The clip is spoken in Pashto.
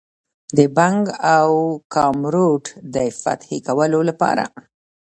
د بنګ او کامرود د فتح کولو لپاره.